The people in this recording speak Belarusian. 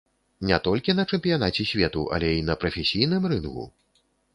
Не толькі на чэмпіянаце свету, але і на прафесійным рынгу?